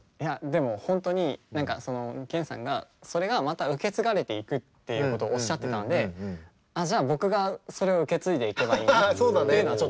でも本当に源さんがそれがまた受け継がれていくっていうことをおっしゃってたんでじゃあ僕がそれを受け継いでいけばいいんだなっていうのはちょっと思った。